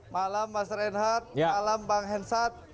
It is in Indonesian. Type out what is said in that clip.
malam master enhat malam bang hensat